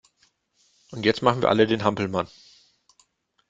Und jetzt machen wir alle den Hampelmann!